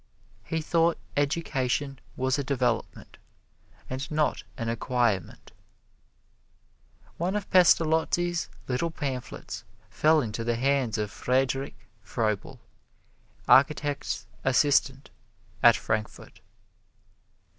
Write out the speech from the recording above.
He thought education was a development and not an acquirement. One of Pestalozzi's little pamphlets fell into the hands of Friedrich Froebel, architect's assistant, at Frankfort.